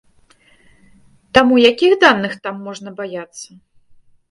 Таму, якіх даных там можна баяцца?